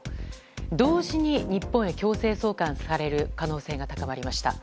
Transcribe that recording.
同時に日本へ強制送還される可能性が高まりました。